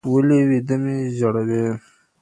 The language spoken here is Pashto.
ولي ويـده مي ژړوې